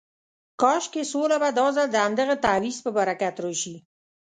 کاشکې سوله به دا ځل د همدغه تعویض په برکت راشي.